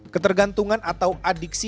ketergantungan atau adiksi